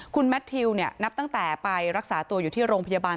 คุณแมททิวนับตั้งแต่ไปรักษาตัวอยู่ที่โรงพยาบาล